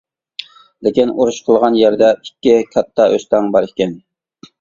لېكىن، ئۇرۇش قىلغان يەردە ئىككى كاتتا ئۆستەڭ بار ئىكەن.